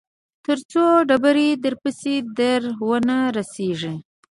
تر څو ډبرې درپسې در ونه رسېږي.